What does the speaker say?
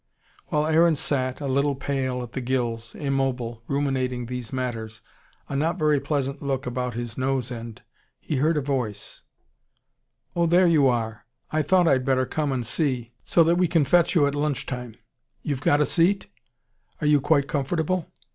While Aaron sat, a little pale at the gills, immobile, ruminating these matters, a not very pleasant look about his nose end, he heard a voice: "Oh, there you ARE! I thought I'd better come and see, so that we can fetch you at lunch time. You've got a seat? Are you quite comfortable?